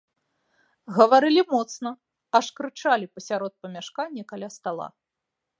Гаварылі моцна, аж крычалі пасярод памяшкання каля стала.